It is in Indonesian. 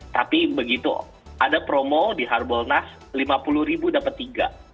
tapi begitu ada promo di harbolnas rp lima puluh dapat rp tiga